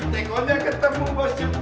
tekonya ketemu bos jun